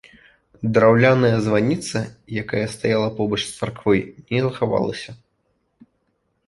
Драўляная званіца, якая стаяла побач з царквой, не захавалася.